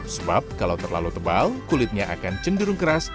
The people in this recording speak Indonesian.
sebab kalau terlalu tebal kulitnya akan cenderung keras